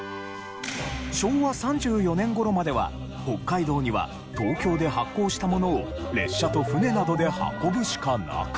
昭和３４年頃までは北海道には東京で発行したものを列車と船などで運ぶしかなく。